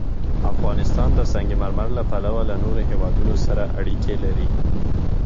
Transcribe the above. افغانستان د سنگ مرمر له پلوه له نورو هېوادونو سره اړیکې لري.